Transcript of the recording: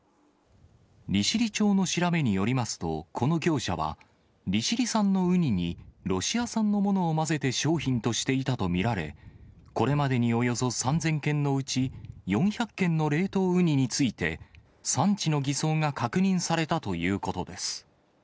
利尻町の調べによりますと、この業者は、利尻産のウニにロシア産のものをまぜて商品としていたと見られ、これまでにおよそ３０００件のうち４００件の冷凍ウニについて、産地の偽装が確認されたということです。